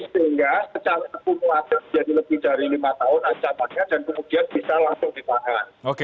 sehingga sejak kekuatan jadi lebih dari lima tahun ancamannya dan kemudian bisa langsung dibahas